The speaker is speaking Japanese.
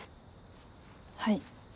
はい。